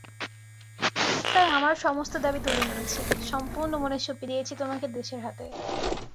তাই আমার সমস্ত দাবি তুলে নিয়েছি, সম্পূর্ণমনে সঁপে দিয়েছি তোমাকে দেশের হাতে।